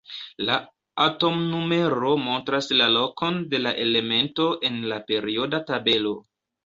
La atomnumero montras la lokon de la elemento en la perioda tabelo.